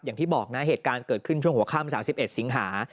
อย่างที่บอกนะเหตุการณ์เกิดขึ้นช่วงหัวข้าม๓๑สิงหา